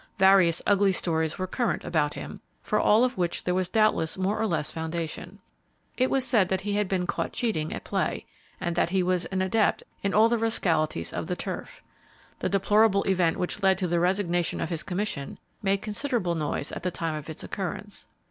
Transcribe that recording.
Various ugly stories were current about him, for all of which there was doubtless more or less foundation. It was said that he had been caught cheating at play, and that he was an adept in all the rascalities of the turf. The deplorable event which led to the resignation of his commission made considerable noise at the time of its occurrence.